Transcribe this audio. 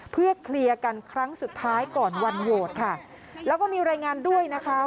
เพื่อเคลียร์กันครั้งสุดท้ายก่อนวันโหวตค่ะแล้วก็มีรายงานด้วยนะคะ